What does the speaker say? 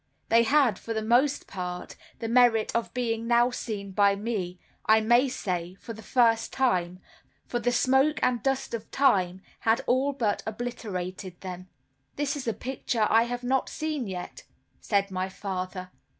They had, for the most part, the merit of being now seen by me, I may say, for the first time; for the smoke and dust of time had all but obliterated them. "There is a picture that I have not seen yet," said my father.